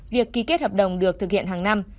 việc ký kết hợp đồng được thực hiện hàng năm